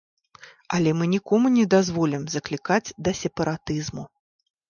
Але мы нікому не дазволім заклікаць да сепаратызму.